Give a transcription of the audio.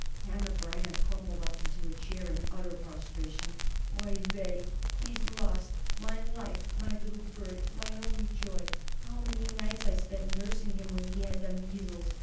Hanneh Breineh crumpled into a chair in utter prostration. "Oi weh! he's lost! Mine life; my little bird; mine only joy! How many nights I spent nursing him when he had the measles!